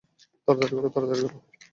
তাড়াতাড়ি কর, তাড়াতাড়ি কর।